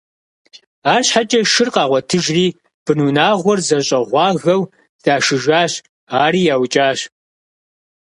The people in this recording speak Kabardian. Арщхьэкӏэ шыр къагъуэтыжри, бынунагъуэр зэщӏэгъуагэу дашыжащ, ари яукӏащ.